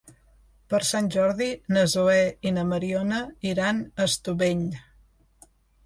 Per Sant Jordi na Zoè i na Mariona iran a Estubeny.